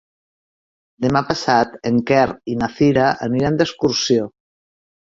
Demà passat en Quer i na Cira aniran d'excursió.